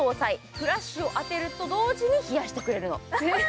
フラッシュを当てると同時に冷やしてくれるの。